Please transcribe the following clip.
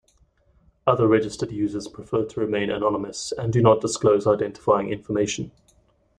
Other registered users prefer to remain anonymous, and do not disclose identifying information.